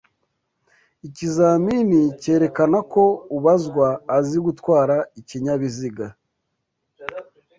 ikizamini cyerekana ko ubazwa azi gutwara ikinyabiziga